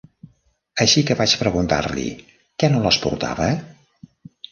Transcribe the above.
Així que vaig preguntar-li "Que no les portava?".